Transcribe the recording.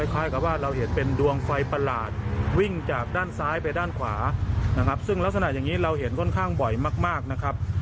ค่อนข้างบ่อยมากนะครับ